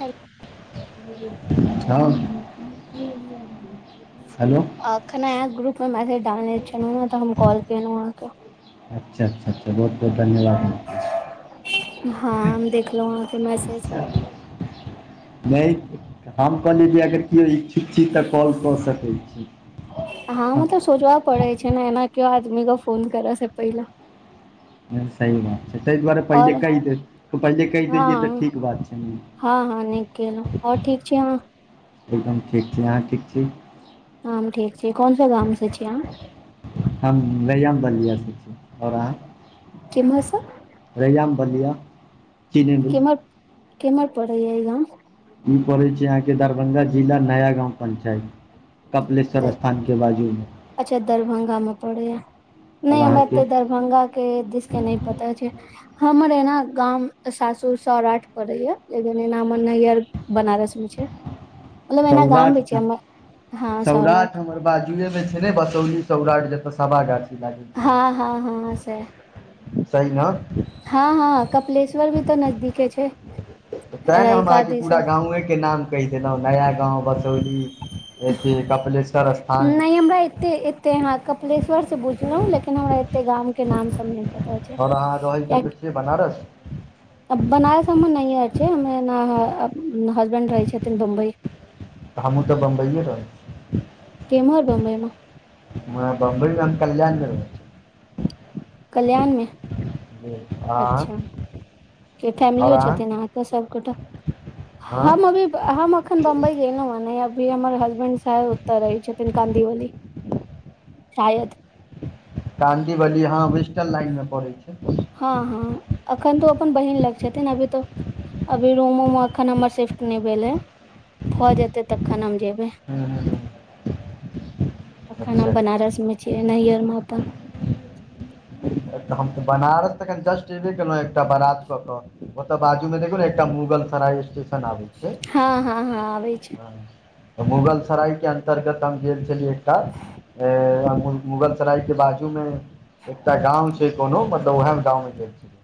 हेल हँ हेलो खना एक ग्रुप में मैसेज डालने छलु तऽ हम कॉल केलहुं अहाँके अच्छा अच्छा अच्छा बहुत बहुत धन्यवाद अहाँके हँ देखलौ अहाँके मैसेज नहि हम कहली जे अगर केओ इच्छुक छी तऽ कॉल कऽ सकै छी हँ हमहु तऽ सोचब पड़े छै ने एना केओ आदमी क फोन करे से पहिल सही बात छै ताहि दुआरे और पहिले कहि दे पहिले कहि देलियै तऽ हँ ठीक बात छै ने हँ हँ नीक केलौ आओर ठीक छी अहाँ एकदम ठीक छी अहाँ ठीक छी हां हम ठीक छी कोन सा गाम से छिय अहाँ हम रैयाम छी आओर अहाँ केम्हर सँ रैयाम बलिया चीनेमी केमहर केमहर पड़ैयै ई गाम ई पड़ै छै अहाँके दरभंगा जिला नया गाँव पंचायत कपिलेश्वर स्थान के बाजूमे अच्छा दरभंगा में पड़े या आओर नहि हमरा अहाँके एते द दभंगा के दिस के नहि पता छै हमर एना गाम सासुर सौराठ पड़ै य लेकिन एना हमर नैहर बनारस मे छै मतलब एना गाम भी सौराठ छै हँ सौराठ बाजुए मे छै ने बसौली सौराठ जतऽ सभा गाछी हँ हँ हँ से सही न हँ हँ कपिलेश्वर भी तऽ नजदीके छै तैँ ने हम रहिका अहाँके पूरा दिसन गाँवएके नाम कहि देलौ नया गाँव बसौली ए कपिलेश्वर स्थान नहि हमरा एते एते य कपिलेश्वर से बुझलौ लेकिन हमरा एते गाम के नाम सब नहि पता य आओर अहाँ रहै कत छियै बनारस बनारय हमर नैहरछै हमे हसबैंड रहै छथिन बम्बई त हमहूँ तऽ बम्बइए रहै छी केमहर बम्बई मे हम बम्बई कल्याण कल्याणमे ओ अच्छा आओर फैमिलियो अहाँ छथिन अहाँके सबगोटा हँ हम अभी हम अखन बम्बई गेलौ हँ ने अभी हमर हसबैंड शायद ओते रहै छथिन काँदीवली शायद काँदी बली हँ वेस्टन लाइनमे पड़ै छै हँ हँ अखन तो अपन बहिन लग छथिन अभी तऽ अभी रूम उम अखन हमर शिफ्ट नहि भेल हे भऽ जेते तखन हम जेबे हू अखन अच्छा हम अच्छा बनारस मे छियै नैहरम अपन हम तऽ बनारस तऽखन जस्ट एबे केलौ एकटा बरात क क ओ तऽ बाजूमे देखु ने एकटा मुगल साराय एस आबै छै हँ हँ हँ आबै छै मुगलसराय के अंतर्गत हम गेल छली एकटा मुगल सराय के बाजू मे एकटा गाँव छै कोनो मतलब ओएह गाँंव मे गेल छलीह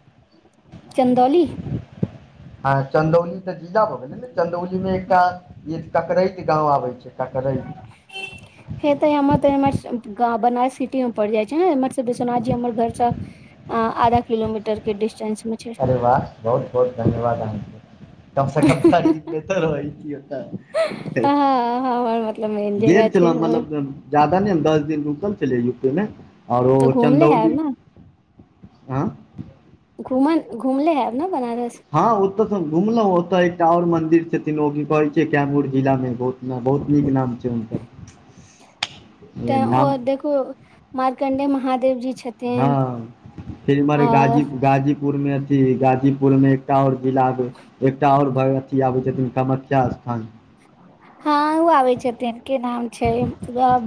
चंदौली ह चंदौली तऽ जीजा भ गेल चन्दौलीमे एकटा टकरैत गाँव आबै छै टकरैत ह हे ते हमर तर ग बनारस सिटी मे पड़ि जाय छै विश्वनाथजी हमर घर सब आधा किलोमीटर के डिस्टेंस मे छै वाह बहुत बहुत धन्यवाद अहाँके कम से कम खरीफमे तऽ रहै हँ हमर मतलब मेन जगह गेल छै छलौ मतलब जादा नहि हम दस दिन रुकल छलै यूपीमे आओरो तऽ घुमले हैब चंदौली ने हँ घुमन घूमले हेब ने बनारस हँ ओतय सब घुमलौं ओतय एकटा और मंदिर छथिन ओ की कहे छै कैमूर जिला मे बहुत। नहि बहुत नीक नाम छै हुनकर तऽ ओ नाम देखू मारकण्डे महादेव जी छथिन। हँ फिर इम्हर हय और गाजी गाजी। पुरमे अथी गाजीपुरमे एकटा आओर जिला दे एकटा आओर भगवती आबै छथिन कामख्या स्थान। हँ ओ आबै छथिन की नाम छै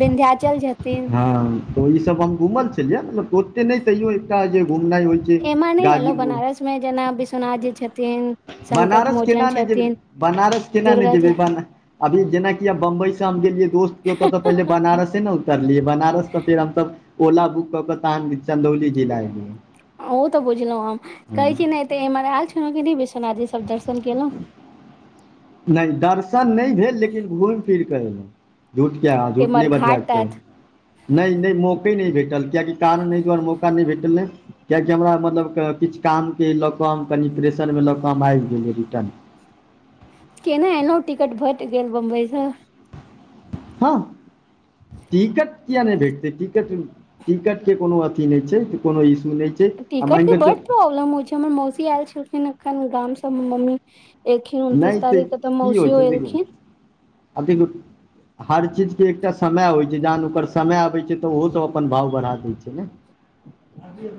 विन्ध्याचल छथिन हँ तऽ ओसभ हम घुमल छलियै मतलब त ओते नहि तै एकटा जे घुमनाइ हो छै एम्हर नहि एलौ गाजीपुर बनारस में जेना विश्वनाथ जी छथिन संकट बनारस मोचन केना नहि जेबी छथिन बनारस केना नहि दुर्गा जेबी जी बन अभी जेनि अब बम्बई से हम गेलियै दोस्त केत त पहि बनारस ह ने तलियै बनारस तऽ फेर हमस ओला बुक कऽ के तहन चंदौली जिला ए ओ तऽ बुझलौ हम कहै छी ने एते एमहर आयल छल की विश्वनाथ जी सब दर्शन केलौ नहि दर्शन नहि भेल लेकिन घूमि फिरि कऽ अयलु झूठ किया झूठ नहि एम्हर बजबाक घाट चाही तात नहि नहि मौके नहि भेटल कियकि कारण एहि दुआरे मौका नहि भेटल नहि किएकि हमरा मतलब किछु कामके लऽ कऽ हम कनि प्रेशरमे लऽ कऽ हम आबि गेलै रिटर्न केने एलौं टिकट भेटि गेल बम्बईसँ। हँ। टिकट किये नहि भेटतै टिकट टिकट के कोनो अथी नहि छै कोनो इशू नहि छै। आ टिकट मानि के कऽ बड्ड चलू प्रॉब्लम होइ छै हमर मौसी आयल छलखिन एखन गाम सब हम मम्मी। एखिन उनतीस तारीख तऽ मौसीयो एलखिन। अध [inaudible] हर चीजके एकटा समय होइ छै जहन ओकर समय अबैत छै तऽ ओहोसभ अपन भाव बढ़ा दैत छै ने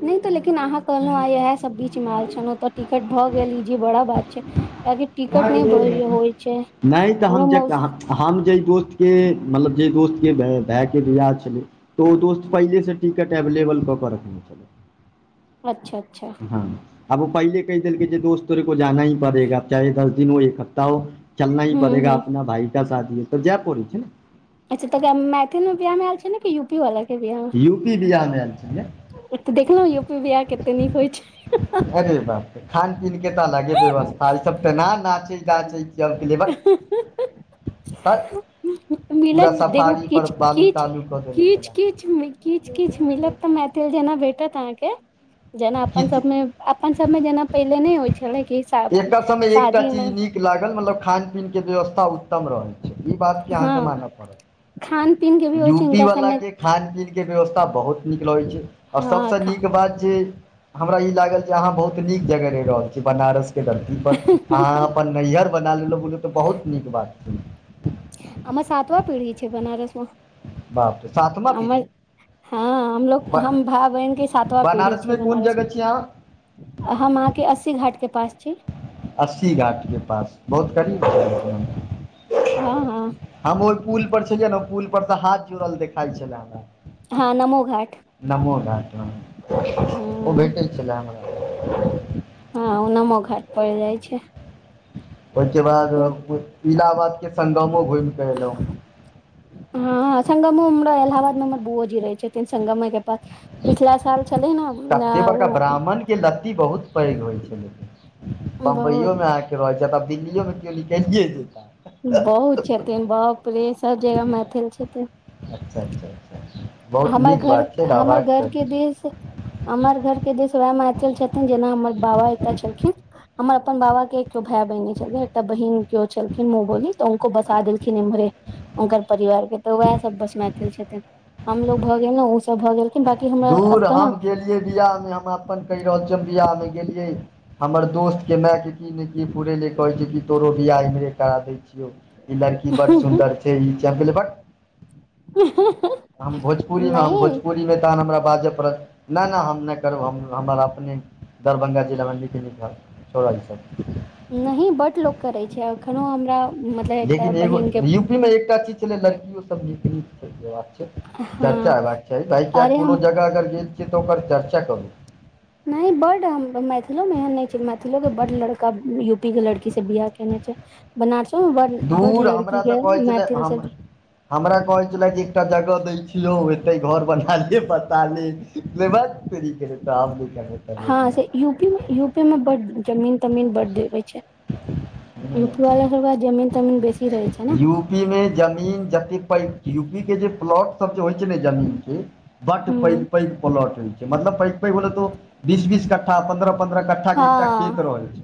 नहि तऽ लेकिन अहाँ कहहु आ इएहे सब बीच मे आयल छल ओतऽ टिकट भऽ गेल ई जे बड़ा बात छै कभि टिकट नहि भर होइ छै नहि तऽ हमरा हम जे मौजी हम जेह दोस्तके मतलब जाहि दोस्तके भायके बिआह छलै तो ओ दोस्त पहिले से टिकट एवेलेबल कऽ के रखने छल अच्छा अच्छा हँ अब ओ पहिले कै देलके जे दस्त तोरे को जाना ही पड़ेगा चाहे दस दिन हो एक हफ्ता हो चलना ही हूँ पड़ेगा हूँ अपना भाइ का शादी तऽ जाय पड़ै छै अच्छा तकराऽ मैथिल मे ब्याह मे आल छै ने कि यूपी वाल के ब्याह मे यू पी बिजमे [unintelligible] आल छलै ओ तऽ देखलौ यूपी बीहार कतै नीक होइ छै अरे बात रे खान पीन के तऽ अलगे व्यवस्था ई सब ते न नाचै गाचै लेबर त [inaudible] मिलत देखू किछु किछ तालू कऽ देने किछ छले किच किच किछु मिलत मैथिल जेना बैठ तहाँके जेना अपन सबमे किछ अपन सबमे जेना पहिले नहि होइ छलै कि एकर सबमे एकटा शादी मे चीज नीक लागल मतलब खान पीन के व्यवस्था उत्तम रहल ई बात के अहाँके हँ मानऽ पड़त खान पीन के भी होइ यू छै पी हिनका वाला सबमे के खान पीनके व्यवस्था बहुत नीक रहै छै हँ सभसँ नीक बात जे हमरा ई लागल जे अहाँ बहुत नीक जगह रेह रहल छीये बनारस गलती पर अहाँ अपन नैहिर बना लेलहु बल तऽ बहुत नीक बात छै हमर सातवा पेढ़ी छै बनारसमे बाप सातमा पी ढी हँ हमलोग हम भाय बहिन क सातवा पीढ़ी छै बनारसमे कोन जगह छियै अहाँ बनारसमे हम अहाँके अस्सी घाट के पास अस्सी घाटके पास बहुत करीब छै ह हँ हम ओह पुल पर छलियै ने पुल पर सँ हाथ जुड़ल देखाय छलै हँ नमो घाट नमो ओ हँ भेट छले हमरा हँ उ नमो घाट पर रहै छै ओहिके बाद इलाहाबाद के संगमो घुमि कऽ एलौ हँ संगमो में हमरा इलाहाबाद मे हमर बुओ जी रहै छथिन संगमे पिछला साल छलै न तते बड़का ब्राह्मण के लत्ती बहुत पैघ होय छै बम्बइयो बहुत में आहा के रहै छै तब दिल्लियो मे केओ निकलिए जेतै बहुत छथिन बाप‌ रे सब जगह मैथिल छथिन अच्छा अच्छा अच्छा बहुत हमर नीक घर बात छै हमर रहबाक घर के चाही दिश हमर घर के दिस वएह मात छथिन जेना हमर बाबा एकटा छलखिन हमर अपन बाबा के एको भाय बहिन छल एकटा बहिन केओ छलखिन मुँह बोली तऽ उनको बसा देलखिन इम्हरे हुनकर परिवार के तऽ उएह सब बस मैथिल छथिन हमलोग भऽ गेलै त भऽ गेलखिन बाकि हमरा एतऽ ने जे बियाह मे हम अपन कहि रहल छियै हम बियाह मे गेलियै हमर दोस्त के माय के की ने की फूरेले कहै छै कि तोरो बियाह इमरे करा दै छियौ ई लड़की बड ने सुन्दर छै इ छे हम कहलिए बक [inaudible] हम भोजपुरी में हम नहि भोजपुरी में तहन हमरा बाजब ना ना हम नहि करब हम हमर अपने दरभंगा जिला में नीक नीक छोड़ा छथि नहि बड लोक करै छै एखनो हमरा मतलब एकटा बहिनके मे एकटा चीज छलै लड़कियो सब नीक नीक चर्चा हँ हेबाक चाही भाई किये अरे हम कोनो जगह अगर गेल छियै तऽ ओकर चर्चा करू नहि बड मैथिलो मे एहन नहि छै मैथिलो के बड लड़का यूपी के लड़की से बियाह केने छै बनारसों मे बड बड दूर लड़की हमरा तऽ के कहै छलै मैथिल हम सब हमरा कहै छलै कि एकटा जगह दै छियौ एते घर बना ले बसा ले भक तोरीके हम नहि करबै तरबै हँ बियाह से यूपी मे यू में बड जमीन तमीन बड देवय छै यूपी वाला सब के पास जमीन तमीन बेसी रहै छै ने यूपी मे जमीन जते पैघ यूपी के जे प्लॉट सब जे होय छै ने जमीन के बड पैघ ह पैघ पलोट होय छै मतलब पैघ पैघ होल तऽ बीस बीस कट्ठा पन्द्रह पन्द्रह कट्ठा एकटा खेत हँ रहै छै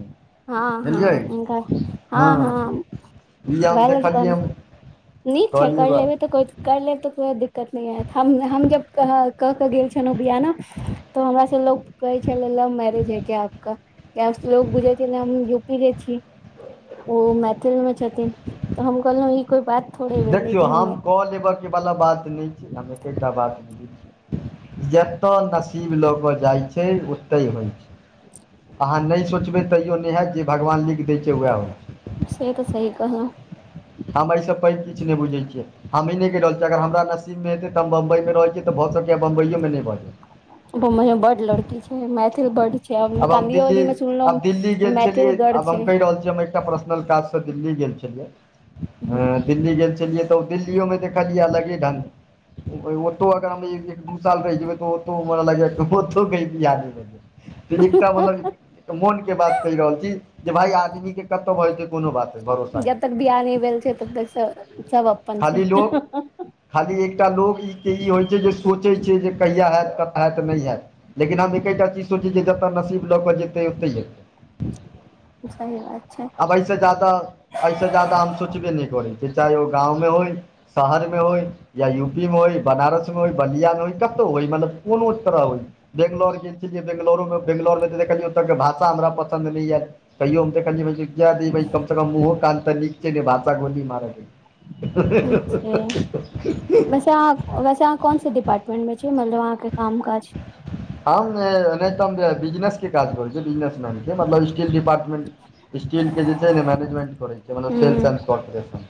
हँ हँ बुझलियै इनका हँ हँ इ हम वएह लेल देखलियय कहलहु नीक छै कर लेबै तऽ को कर लेब तऽ कोनो भीदिक्कत नहि होयत हम हम जब कहि के गेल छलहुँ बियाह ना तो हमरा से लोग कहै छलै लव मैरेज है क्या आपका लोग बुझे छै ने यूपी के छी ओ मैथिल मे छथिन तऽ हम कहलौ ई कोई बात थोड़े भेलै देखियौ कि हम कऽ लेबाके वला बात नहि छी हम एकेटा बात बुझ जेतअ नसीब लऽ क जाय छै ओत्ते होय छै अहाँ नहि सोचबै तैयो नहि हैत जे भगवान लिख दै छै उहै होय से तऽ सही कहलौ हम एहिसँ पैघ किछ नहि बुझैत छियै हम इ नहि कहि रहल छियै अगर हमरा नसिब में हेतै तऽ हम बम्बई में रहैत छियै तऽ भऽ सकै बम्बइओमे नहि भऽ जै बम्बई में बड लड़की छै मैथिल बड छै आब हम कालियो दिल्ली वाली मे आब दिल्ली सुनलहुँ गेल मैथिल छलियै गढ़ आब हम छै कहि रहल छीयै हम एकटा पर्सनल काज सँ दिल्ली गेल छलियै दिल्ली गेल चलियै तऽ दिल्लीयो मे देखलियै अलगे ढंग ओतो अगर एक दू साल रहि जेबै तऽ ओतो लगइ ओतो कही बियाह नै भऽ जाय एकटा मतलब मोन के बात कहि रहल छी जे भाय आदमी के कत हो छै कोनो बात भरोसा जब तक बियाह नहि भेल छै तब तक सब सब अपन छै खाली लोक खाली एकटा लोक ई होइत छै जे सोचैत छै जे कहिया हैत हएत नहि हैत लेकिन हम एकेटा चीज सोचैत छिय जे जतय नसीब लऽ कऽ जेतै ओतहि हेतै सही बात छै एहिसँ ज्यादा एहिसँ ज्यादा हम सोचबे नहि करै छियै चाहे ओ गाँवमे होइ शहरमे होइ या यू पी मे होइ बनारस मे होइ बलिया मे होइ कतहु होय मतलब कोनो तरह होइ बेंगलौर गेल छलियै बेंगलोरमे बेंगलौरमे तऽ देखलियै ओतके भाषा हमरा पसन्द नहि एल कहियो हम कहलिय कम से कम मुँहो कान तऽ नीक छैने भाषा गोली मारैै [unintelligible] वैसे अहाँ वैसे अहाँ कोन से डिपार्मेंट मे छी मतलब अहाँके काम काज हम नहि तऽ हम बिजनेस के काज करै छियै बिजनेसमेन के मतलब स्टील डिपार्टमेंट स्टील के जे छै ने मैनेजमेंट करे छै मतलब सेल्स हूँ एंड कॉर्पोरेशन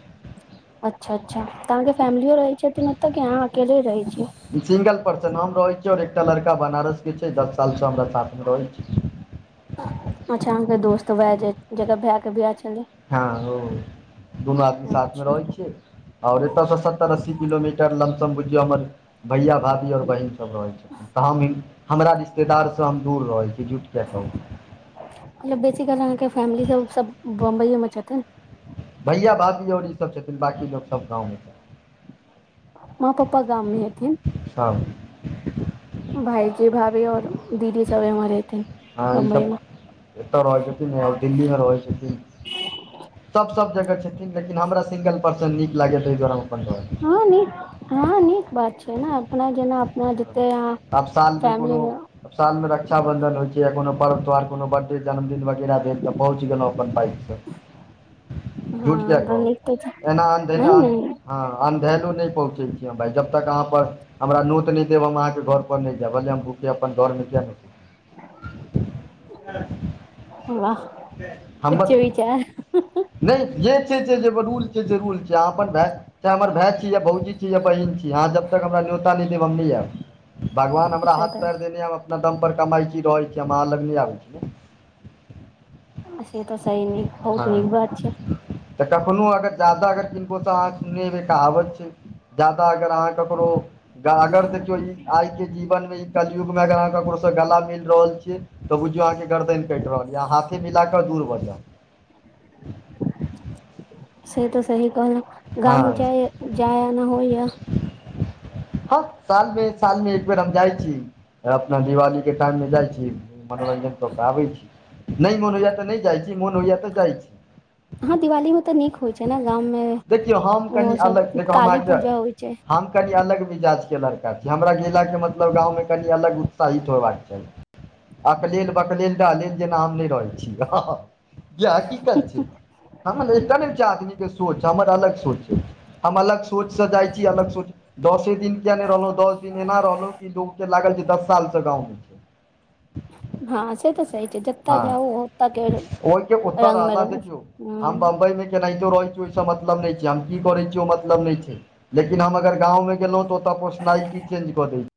अच्छा अच्छा तऽ अहाँके फैमिलियो रहै छथिन ओतऽ कि अहाँ अकेले रहै छियै सिंगल पर्सन हम रहै छीयै आओर एकटा लड़का बनारस के छै दस सालसँ हमरा साथ मे रहै छै अच्छा अहाँ के दोस्त वएह जे जकर भाय के बियाह छलै हँ ओ दुनू आदमी साथमे अच्छा रहै छियै आओर एतयसँ सत्तर अस्सी किलोमीटर लमसम बुझियौ हमर भैया भाभी आओर बहिन सब रहै छै तऽ हम हमरा रिश्तेदारसँ हम दूर रहै छी जुट कियै कहू मतलब बेसिकाल अहाँके फैमिली सब सब बम्बइये मे छथिन भैया भाभी आओर ई सब छथिन बाँकी लोक सब गाँवमे छथि माँ पप्पा गाममे हेथिन अच्छा भाइजी भाभीऔर दीदी सब एम्हर हेथिन हँ ई बम्बई सब मे एतऽ रहै छथिन आ दिल्ली मे रहै छथिन सभ सभ जगह छथिन लेकिन हमरा सिंगल पर्सन नीक लागत ताहि दुआरे हम अपन रहै हँ नीक हँ नीक बात छै ने अपना जेना अपना जते अहाँ आब सालमे कोनो फैमिली मे साल मे रक्षाबंधन होइ छै या कोनो पर्व त्योहार कोनो बड्डे जन्मदिन वगैरह तऽ पहुँच गेलहुँ अपन बाइक से झूट कियै हँ नीक कहु तऽ छै एना अन्ध नहि नहि [unintelligible] हँ अन्धेलो नहि पहुँचे छी भाय जब तक अहाँ पर हमरा नोट नै देब हम अहाँके घर पर नहि जायभ हम भले हम भूखे अपन घरमे किये नहि बाह हमर नहि जे छै रूल छै रूल छै अपन भाय चाहे हमर भाय छै भउजी छी या बहीन छी अहाँ जब तक हमरा न्योता नहि देब हम नै ऐव भगवान हमरा से हाथ तऽ पैर देने ऐ हम अपना दम पर कमाइ छी रहै छी हम अहाँ लग नहि आबै छी से तऽ सही नै बहुत हँ नीक बात छै तऽ कखनो अगर ज्यादा अगर किनबौ तऽ अहाँनेबैके कहाबत छै जादा अगर अहाँ ककरो अगर देखियौ आइ के जीवन मे कलयुग मे अगर अहाँ ककरो गला मिल रहल छियै तऽ बुझियौ अहाँके गर्दन कटि रहल यै हाथे मिलाके दूर भऽ जाउ से तऽ सही कहलौं हँ गाम मे जाइ जाया न होइया हँ साल मे सालमे एक बेर हम जाइ छी अपना दिवाली के टाइम मे जाइत छी मनोरञ्जन कऽ के आबै छी नहि मोन होइया तऽ नहि जाइ छी मोन होइया तऽ जाइत छी हँ दिवाली मे तऽ नीक होइ छै ने गाम देखियौ हम में ओ कनि सब अलग देखियौ हम काली अहाँके पूजा होइ छै हम कनि अलग मिजाज के लड़का छै हमरा गेला के मतलब गाँव मे कनि अलग उत्साहित होयबाक चाही अकलेल बकलेल डहलेल जेना हम नहि रहै छी हहह जे हकीकत छै हम एक टा आदमी के सोच हमर अलग सोच छै हम अलग सोच सँ जाइ छी अलग सोच दसे दिन किया नहि रहलौ दस दिन एना रहलहु कि लोक के लागल छै दस साल से गाँव में छी हँ से तए छै जतय हँ जाउ ओतय के ओहि के उत्तर रंग मे रहला रहू देखियौ हम ह बंबई मे क केनाहितो रहै छी ओहिसँ मतलब नहि छै हम की करै छीयै ओ मतलब नहि छै लेकिन हम अगर गावमे गेलहुँ तऽ ओतय पोसनाइल्टी चेंज कऽ दैत छी